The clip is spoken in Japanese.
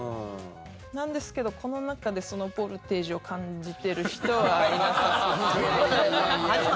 なんですけど、この中でそのボルテージを感じてる人はいなさそう。